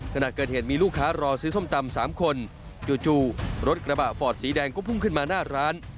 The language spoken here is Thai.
ขณะเกิดเหตุมีลูกค้ารอซื้อส้มตำ๓คนจู่รถกระบะฟอร์ดสีแดงก็พุ่งขึ้นมาหน้าร้าน